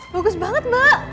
bagus banget mbak